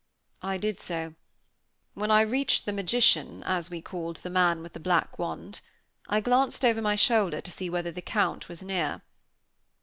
I did so. When I reached the magician, as we called the man with the black wand, I glanced over my shoulder to see whether the Count was near.